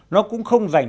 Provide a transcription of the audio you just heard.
nó cũng không dành